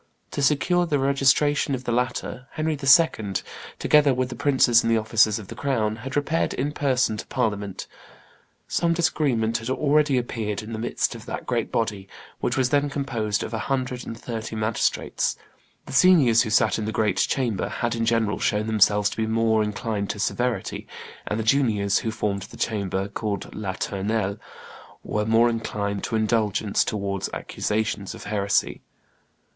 To secure the registration of the latter, Henry II., together with the princes and the officers of the crown, had repaired in person to Parliament; some disagreement had already appeared in the midst of that great body, which was then composed of a hundred and thirty magistrates; the seniors who sat in the great chamber had in general shown themselves to be more inclined to severity, and the juniors who formed the chamber called La Tournelle more inclined to indulgence towards accusations of heresy.